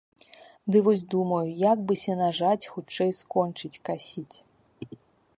Ды вось думаю, як бы сенажаць хутчэй скончыць касіць.